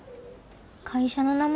会社の名前？